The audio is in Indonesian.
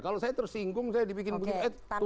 kalau saya tersinggung saya dibikin begini eh turun